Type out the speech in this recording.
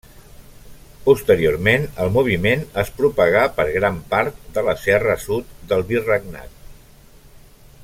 Posteriorment el moviment es propagà per gran part de la serra sud del virregnat.